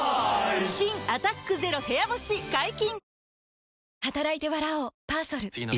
新「アタックＺＥＲＯ部屋干し」解禁‼